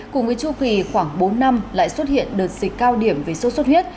cùng với chu kỳ khoảng bốn năm lại xuất hiện đợt dịch cao điểm về sốt xuất huyết